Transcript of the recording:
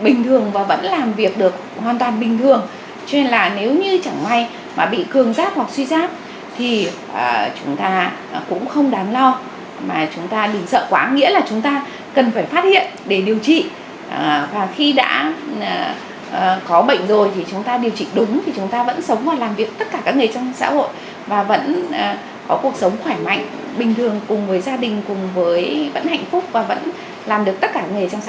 bình thường và vẫn làm việc được hoàn toàn bình thường cho nên là nếu như chẳng may mà bị cường giáp hoặc suy giáp thì chúng ta cũng không đáng lo mà chúng ta đừng sợ quá nghĩa là chúng ta cần phải phát hiện để điều trị và khi đã có bệnh rồi thì chúng ta điều trị đúng thì chúng ta vẫn sống và làm việc tất cả các nghề trong xã hội và vẫn có cuộc sống khỏe mạnh bình thường cùng với gia đình cùng với vẫn hạnh phúc và vẫn làm được tất cả các nghề trong xã hội